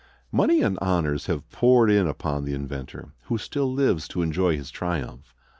Money and honors have poured in upon the inventor, who still lives to enjoy his triumph.